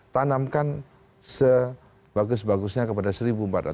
tanamkan sebagus bagusnya kepada seribu empat ratus